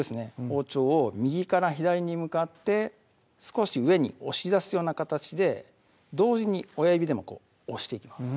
包丁を右から左に向かって少し上に押し出すような形で同時に親指でも押していきます